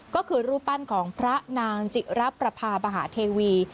ก็คือรูปปั้นของพระนางจิรับประพามหาเทวี